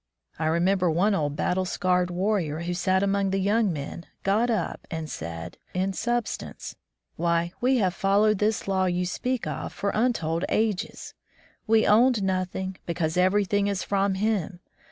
I remember one old battle scarred warrior who sat among the young men got up and said, in substance : "Why, we have followed this law you speak of for untold ages ! We owned nothing, because everything is from Him.